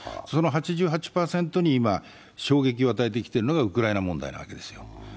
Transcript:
その８８％に今、衝撃を与えてきているのがウクライナ問題なわけですよ。